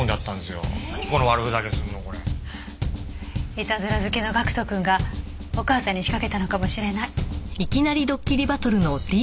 イタズラ好きの岳人くんがお母さんに仕掛けたのかもしれない。